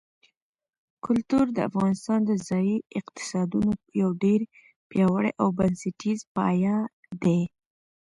کلتور د افغانستان د ځایي اقتصادونو یو ډېر پیاوړی او بنسټیز پایایه دی.